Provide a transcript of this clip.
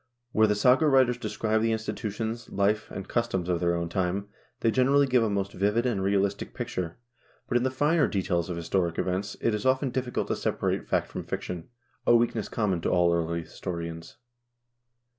Where the saga writers describe the institutions, life, and customs of their own time, they generally give a most vivid and realistic picture, but in the finer details of historic events it is often difficult to separate fact from fiction, a weakness common to all early historians.